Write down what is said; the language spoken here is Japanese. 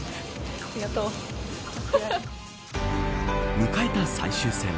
迎えた最終戦。